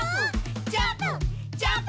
ジャンプ！